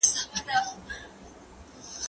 هغه وويل چي زده کړه مهمه ده،